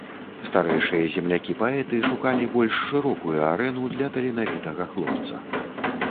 Старэйшыя землякі-паэты шукалі больш шырокую арэну для таленавітага хлопца.